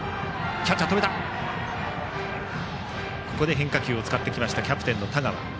変化球を使ってきましたキャプテンの田川。